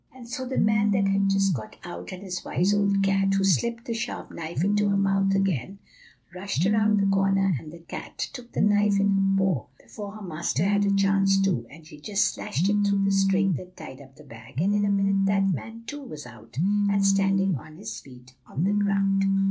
And so the man that had just got out and his wise old cat, who slipped the sharp knife into her mouth again, rushed around the corner; and the cat took the knife in her paw before her master had a chance to, and she just slashed it through the string that tied up the bag, and in a minute that man, too, was out, and standing on his feet on the ground."